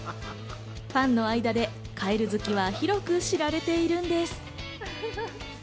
ファンの間ではカエル好きが広く知られているんです。